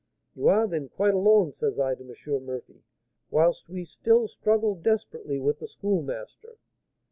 'You are, then, quite alone?' says I to M. Murphy, whilst we still struggled desperately with the Schoolmaster.